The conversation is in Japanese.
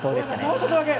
もうちょっとだけ！